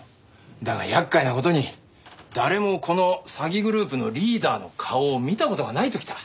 だが厄介な事に誰もこの詐欺グループのリーダーの顔を見た事がないときた。